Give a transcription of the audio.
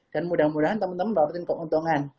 dan mudah mudahan teman teman dapatkan keuntungan